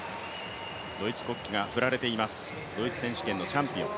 ドイツ国旗が振られていますドイツ選手権のチャンピオン。